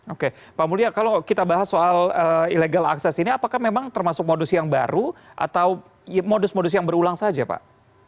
oke pak mulya kalau kita bahas soal illegal access ini apakah memang termasuk modus yang baru atau modus modus yang berulang saja pak